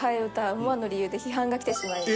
思わぬ理由で批判がきてしまいます」